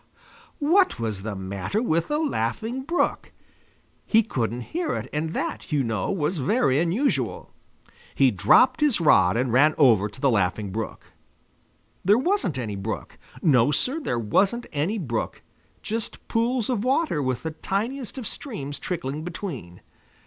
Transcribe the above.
What was the matter with the Laughing Brook? He couldn't hear it and that, you know, was very unusual. He dropped his rod and ran over to the Laughing Brook. There wasn't any brook. No, sir, there wasn't any brook; just pools of water with the tiniest of streams trickling between.